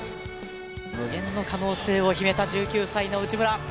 無限の可能性を秘めた１９歳の内村。